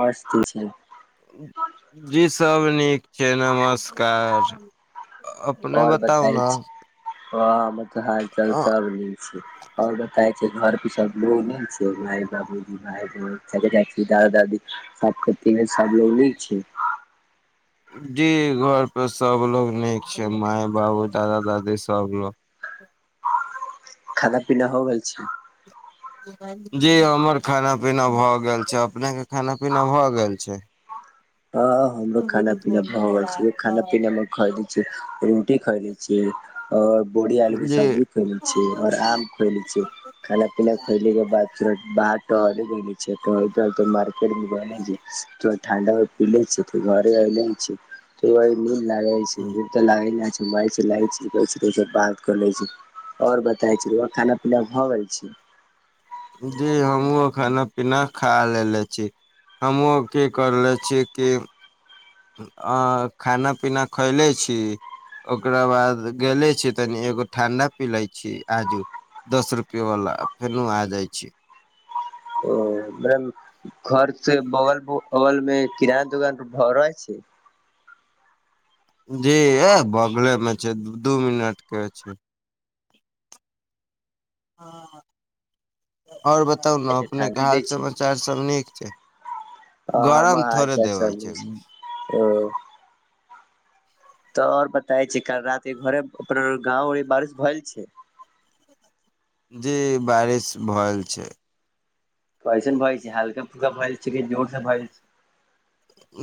बस छै जी सब नीक छै नमस्कार अपने ओर बताउ बताय ने छी हमर हाल चाल सब निक छै ओर बताए छै घर प सब लोग न छै माय बाबूी भाय ब चाचा चाची दादा दादी सात कतिस लोग लै छै। [unintelligible] जी घर पर सब लोक नीक छथि माय, बाबू, दादा, दादी सभ लोक। खाना पीना हो गेल छय जी हमर खाना पीना भए गेल छै अपने के खाना पीना भय गेल छै हँ हमरो खाना पीना भऽ गेल छय खाना पीना मे खरीद छी रोटी खरीदी छी ओर बोरी आ आलूक जी सब्जी। खेले छी और आम खोएले छी खाना पीना खुएले के बाद टर मार्केट में ठा पे छ त घरे एऐले छी न लागेूप त लागे छै। घुमैछै ल छै बात कर लै छै ओर बताउ, खाना-पीना भऽ गेल? जी हमहूँ खाना पीना खा लेले छी हमहहुँ की करले छीय कि। [unintelligible] आ खाना पीना खा लेलहुँ? ओकरा बाद गेले छी तनी एगो ठण्डा पी ले छी आजू दस रुपए बला फेनो आ जाइ छी म घर से बगल अगल में किराना दोकान पर भऽ रहल छै जी ए बगले में छै दू मिनट के छै हँ ओर बताउ ने अपनेके ठण्डी हाल दै छै समाचार सब नीक छै गरम थोड़े देवय छै ह तऽ और बताय छै काल रात घरे अपन गांव बारिश भे लयछै जी बारिश भय छै कइसन भऽ रहल छै? हल्का-फुल्का भेल छै, जोर नइ छै।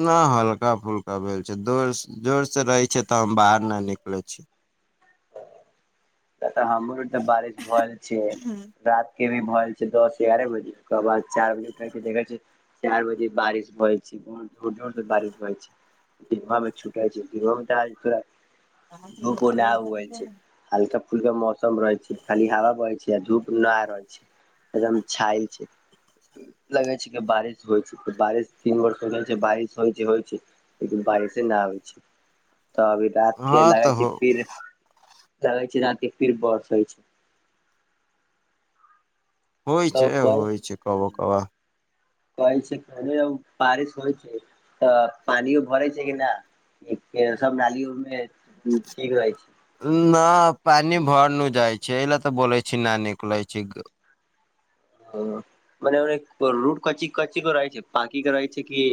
नइ हल्का-फुल्का भेल छै। जँ जोर-जोरसँ रहत, तँ हम बाहर नहि निकलैत छी। अ। त तऽ हमर एइजा बारिश भऽ छय रात के भी भय जा छै दस एगारह बजे ओकर बाद चार बजे उठ के देखै छै चाइर बजे बारिश होइ छै ब जोर जोर से बारिश होइ छै दिनवा मे छूट होइ छै दिनवा में त त [inaudible] हल्का फुलका मौसम रहै छै खाली हवा बहे छै आ धूप न रहै छै एकदम छाय छय लगै छै जे बारिश होयत। तीन दिनसँ बारिश भऽ रहल छै, आ एखनो होइते लगै छै। बारिशे नइ आबै छै तऽ अभी रात हँ के लगै तऽ छै हो फिर लागे रहै छै राति फिर बर्से होइ छै होइ तऽ छै कहै होइ छै कब कब कहै छै, बारिश होइ छै तऽ पानिओ भरै छै कि नहि? एक सब नाली उ में ठीक रहै छै न, पानि भरि नहि जाइ छै। एहि लेल तँ बोलै छै जे नय निकलै छै। ह मने रूट की कची क रहै छै पकी कर रहै छै कि।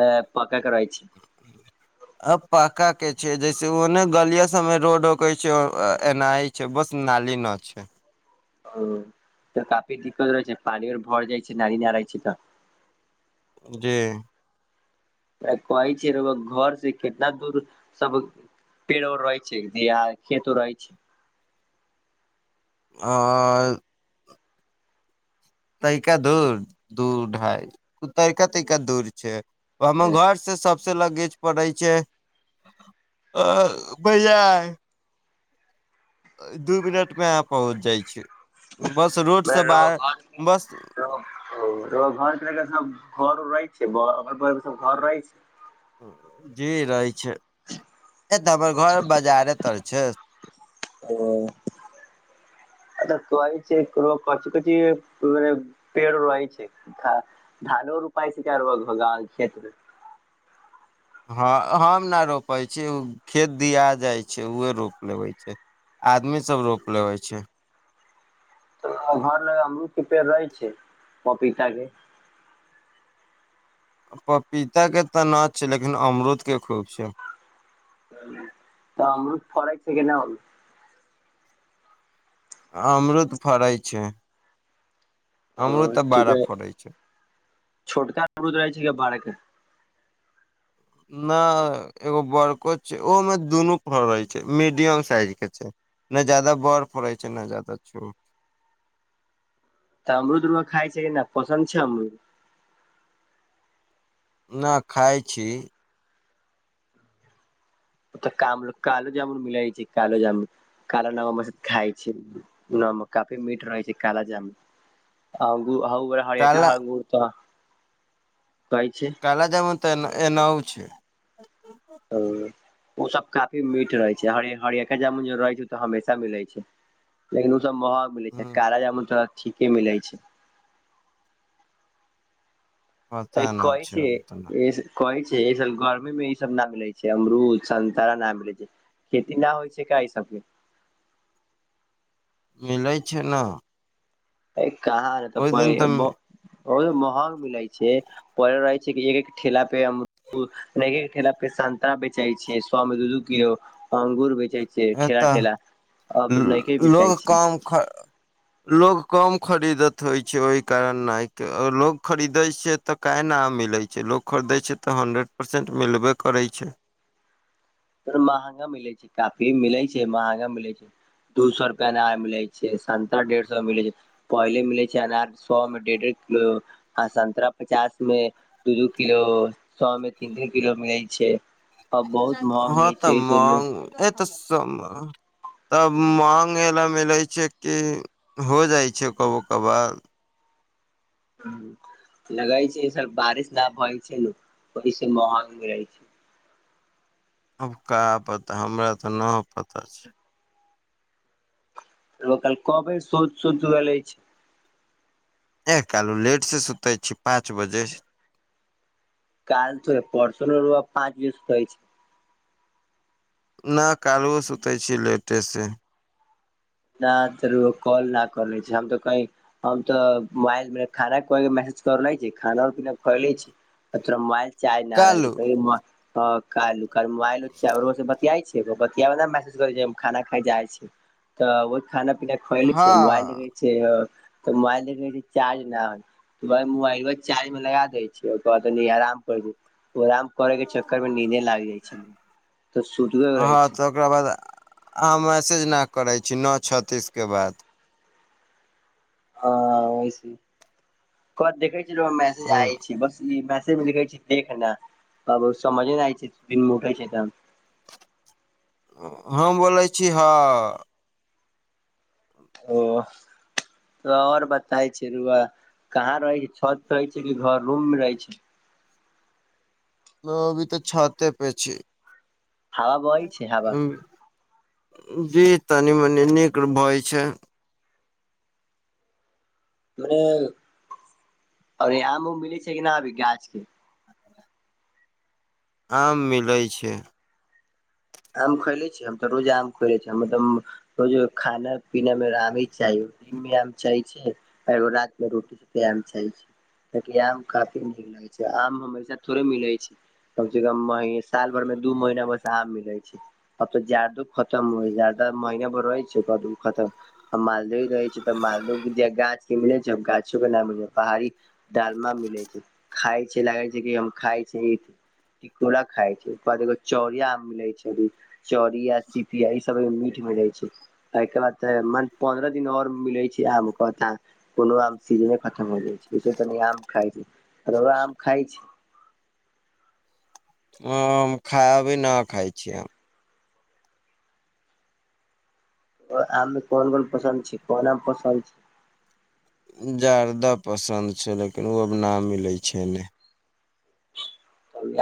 अ पका रहेछ छै। ह [inaudible] अ पाका के छै जैसे ओने गलिया सब में रोडक छै एना छै बस नाली न छ ओ तऽ काफी दिक्कत रहै छै पानि आर भर जाइ छै नारी न रहै छै त जी। कहै छै घर से कितना दूर सब पेड़ो रहै छै जे आ खेतो रहै छय ओर [inaudible] तरका दूर-दूर छै, हम छै घर पर छी से सबस लगेज परै छै भैया दू मिनट में आब पहुँच जाइ छी, बस रोडसँ बाहर बस। ओ त घरके सब घर उर रहै छै सब घर रहै छै जी रहै छै ए तऽ हमर घर बाजारे तर छै ओ अचऽ तइ छै कची कची। [unintelligible] पेड़ रहै छै, धानो रोपाय छै, आ गाँममें खेतो छै। हँ, हम नहि रोपैत छियै। खेत दऽ देल जाइत छै, ओ रोपि लै छै। आदमीसब रोपि लेवै छै। घर लऽ अमरूद के पेड़ रहे छै पपीता के पपीताक तँ नय छै, लेकिन अमरूदक खूब छै। तऽ अमरूद फरै छ कि नय अमरूद फरै छै, आ ओ बड्ड ठीके फरैत छै। बर उत रहै छै भाड़े न, एगो बड़को छै। ओहिमे दुनु फरै छै। मीडियम साइजक छै। नै जादा बर पड़ै छै ने जादा छोट तऽ अमरुद रउआ खाइ छै कि नै पसन्द छै अमरूद नय खाइ छी ओ तऽ कामलो कालो जामुन मिल जाइ छै कालो जामुन कालो नाम हमर सा खाइ छै न काफी मीट रहै छै काल जाम हर एक काला ह घड़ त कहै छै काला जामुन तऽ ए एहनहु छै हँ, ओ सभ काफी मीठ रहै छै। का जामुन ज रहै छै ओ तऽ हमेशा मिलै छय लेकिन ओ सब महग मिलै छै ह्म काला जामुन तऽ ठीके मिलै छय त पता न कहै छै। अभी तऽ न कहै छै से गर्मी में ई सब न मिलै छै अमरूद संतरा न मिलै छै खेती न होइ छै का ई सब के मिलै छय ने कतहु तँ दिन तऽ बड्ड महग मिलै छै। पल रहै छै एक एक ठेला पे हम न, ठेलापर सन्तरा बेचै छै। सौ रुपैआमे दू-दू किलो अंगूर बेचै छै। से ठेला एता ठेला अब नहिके लोग बेचाइ छै कम ख। लोग कम खरीदत होइ छय ओहि कारण लोग खरीदे छै तऽ क नइ मिलै छै लोक खरीदै छै तऽ हन्ड्रेड परसेंट मिलबे करै छै। महंगा मिलै छै काफी मिलै छै महंगा मिलै छै दू सए रुपैआमे नहि मिलै छै, सए डेढ़ सएमे मिलै छै। पहिले मिलैत छै अनार सए मे डेढ़ डेढ़ किलो आ सतरा पचास में दू दू किलो सए मे तीन तीन किलो मिलै छै आ बहुत महग हँ मिलै छै तऽ म एहिसे लोग एतऽ सब तब मांगय ह लए मिलै छै कि हो जाइ छै कबो कबो लगै छै सब बारिश न भ छै ने ओहिस महग रहै छै आबक पता हमरा तऽ नहि छै कल कबे शोध शोद्ध ले छै एह कलू लेट से सुतै छी पाँच बजे काल तो परसो न रोआ पाँच दिस होइ छइ न कालुओ सुते छी लेटे से न तऽर कॉल न कर लै छय आ तऽ कई हम तऽ मोबाइल मे खाना ख मैसेज करले छी खाना उर पीना खले छी तोरा मोबाइल चाय कालू रह मोबाइलर बतिया छै बतिया महसूस करै छै खाना खा जाइ छय तऽ ओ खाना पीना खोएले हँ छै मोबाइलऽ मोबाइल देख चार्ज नै मोबाइल चार्ज में लगा दै छिय बाद आराम कर आराम करे के चक्कर में नीदे लाग जाय छै तऽ सुतबे रहै हँ छै तऽ ओकरा बाद अहाँ मैसेज नहि करै छी नओ छ्तीसके बाद ह वैसे क देखै छी मैसेज आय छै बस ई मैसेज लिखे छै देखना त समझे नहि आय छैन उठे छै त हम बोलै छी हँ ओ और बताे छै रु कहाँ रहे छै छत रहे छै कि घर रूम में रहे छै लभी तऽ छाते पे छी हवा बहै छै हवा ह जी तनी मनि नीक भय छय ओर आम उम मिलै छै किना अभी गाछ के आम मिलै छै आम खोले छी हम तऽ रोजे आम खोएले छी हम तब र खाना पीना में आम ही चाही दिनमे आम चाही छै ओ रातमे रोटी क छैइ छै काकि आम काफी नीक लगै छै आम हमेशा थोड़े मिलैत छै कम से कम मह साल भर में दू महीना बस आम मिलै अतऽ जार दूख खतम हो जार त महिना भो रहै छै कदू खतम हम मालदह ही रहे छी तऽ मालदह गाछ के मिलै छै जब गाछो के नाम मिल पहाड़ी डालमा मिलै छै खाय छै लागै छै कि हम खाय छै ई टिकोरा खाय छै ओ बाद एगो चौरिया मिलै छै चौरिया सीपिया मीठ म जाइ छै एकरा बाद त म पन्द्रह दिन ओर मिलै छै आम कोनो आम सीजने खतम हो जाइ छैैसे तनी आम खाइ छै त आम खाइ छय ह खा अभी न खाइ छियै हम ओ आमे कोन कोन पसन्द छी कोन आ पसन्द छी जादा पसन्द छै लेकिन ओ अब न मिलै छै नहि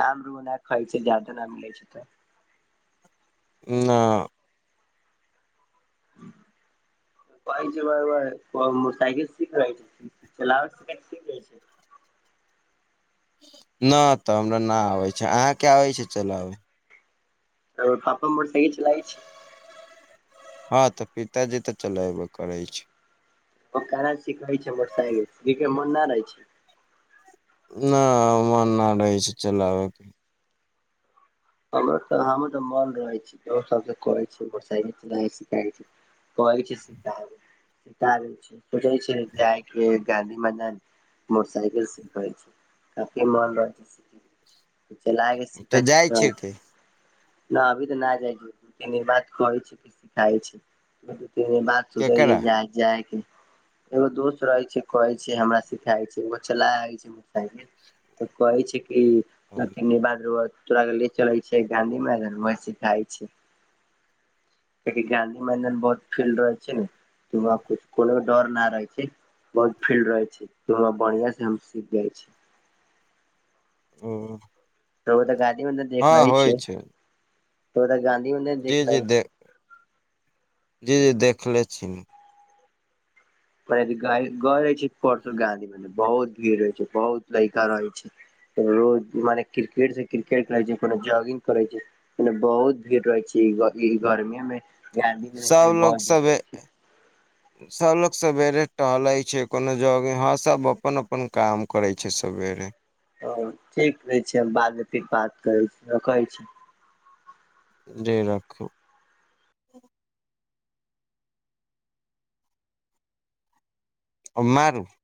आम रुना खाइ छै जादा नहि मिलै छै तऽ नहि [inaudible] कहै छै मोटरसाइकिल सीख रहै छै चलाबै स सीख जाइ छै नै तऽ हमरा न आबै छै अहाँ के आबै छै चल आबै तर फापा मर फ चलाइ छै हँ तऽ पिताजी तऽ चलेबे करै छै पकारा सिखै छै मोटरसाइकिल ज मन न रहै छै न मन न रहै छै चलबके हमर तऽ हमर तऽ मन रहै छी सब कहै छी मोटरसइकिल कहै छै स सतार छै सचै छै जाइके गाँधी मैदान मोटरसकेेल सिखैइ छै कफी मन रह छै च ल आग सिखै छै तऽ न अभी तऽ नहि जाइ छैू ती बात कहै छै सिखाय छैू ती बात सुबह ह केकरा जा जाइ एगो दोस्त रहे छै कहै छै हमरा सिखा छै एगो चला छै मोटरसाइकिल तऽ कहै छै कि ओ ब तोराे चलै छय गाँधी मैदान वह स खाइ छै काकि गाँंधी मैदन बहुत फील्ड रहै छै ने तऽ वहाँ कुछ कोनो डर न रहै छै बहुत फील्ड रहे छै ओरा बढ़िया से हम सीख जाइ छी हं तऽ ओ तऽ गद्दी हँ होइ छै ओ गाँंधी नै जी देख जी रहले दे छै जी देखले छी रहे छै परसो गाँधी में बहुत भीड़ रहै छै बहुत लड़का रहै छै रोज मने क्रिकेट से क्रिकेट खेल छै कोनो जॉगिंग करै छै मने बहुत भीड़ रहै छै ई गर्मी में गर्मी द सब भी लोग बहुत भीड़ रहैत छै [inaudible] सब लोकोग सवेरे टहले छै कोनो जॉग हँ सब अपन अपन काम करै छै सवेरे ओ ठीक रहै छै हम बादप बात करै छी कहै छी जी राखू ओना